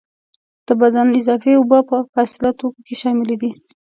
د بدن اضافي اوبه په فاضله توکو کې شاملي دي.